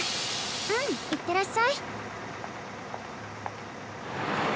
うんいってらっしゃい。